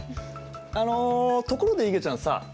あのところでいげちゃんさ